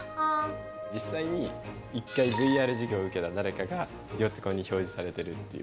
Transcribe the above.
実際に１回ＶＲ授業を受けた誰かが横に表示されてるっていう。